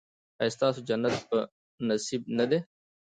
ایا ستاسو جنت په نصیب نه دی؟